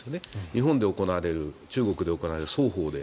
日本で行われる中国で行われる、双方で。